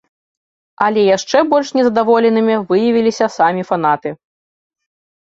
Але яшчэ больш незадаволенымі выявіліся самі фанаты.